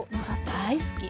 大好き。